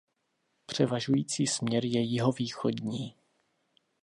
Převažující směr je jihovýchodní.